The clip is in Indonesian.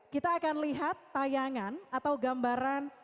kita akan lihat tayangan atau gambaran